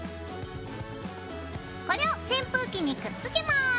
これを扇風機にくっつけます。